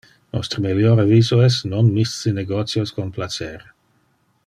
Nostre melior aviso es, non misce negotios con placer.